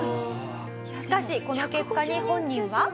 しかしこの結果に本人は。